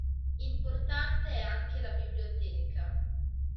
Importante è anche la biblioteca.